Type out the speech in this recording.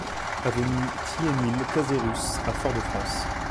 Avenue Ti-Émile Casérus à Fort-de-France